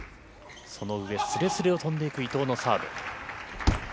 その上すれすれを飛んでいく伊藤のサーブ。